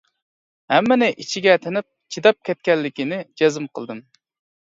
ھەممىنى ئىچىگە تىنىپ، چىداپ كەتكەنلىكىنى جەزم قىلدىم.